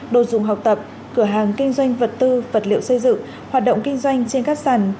đồ dùng học tập cửa hàng kinh doanh vật tư vật liệu xây dựng hoạt động kinh doanh trên các sàn